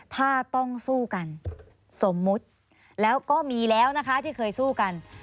ถ้าต้องสู้กันสมมุติแล้วก็มีแล้วนะคะที่เคยสู้กัน